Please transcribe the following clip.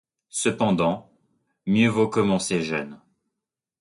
Cependant, mieux vaut commencer jeune…